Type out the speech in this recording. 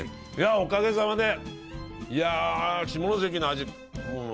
おかげさまで下関の味